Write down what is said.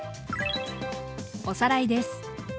おさらいです。